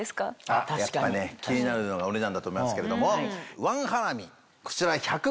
やっぱね気になるのがお値段だと思いますけれども。